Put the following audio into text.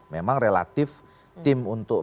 memang relatif tim untuk